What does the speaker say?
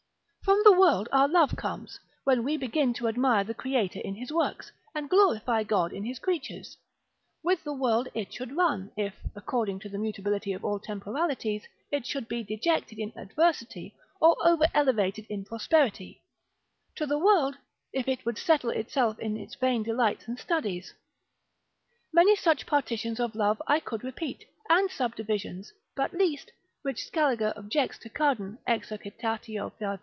From the world our love comes, when we begin to admire the Creator in his works, and glorify God in his creatures: with the world it should run, if, according to the mutability of all temporalities, it should be dejected in adversity, or over elevated in prosperity: to the world, if it would settle itself in its vain delights and studies. Many such partitions of love I could repeat, and subdivisions, but least (which Scaliger objects to Cardan, Exercitat. 501.)